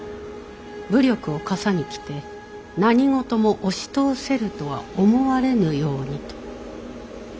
武力をかさに着て何事も押し通せるとは思われぬようにと。